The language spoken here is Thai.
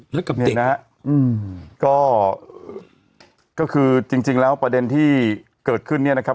กับเด็กนะฮะอืมก็คือจริงจริงแล้วประเด็นที่เกิดขึ้นเนี่ยนะครับ